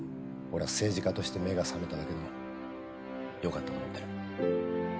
俺は政治家として目が覚めただけでもよかったと思ってる。